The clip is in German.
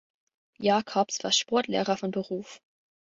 Jacobs war Sportlehrer von Beruf.